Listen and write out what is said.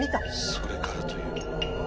それからというもの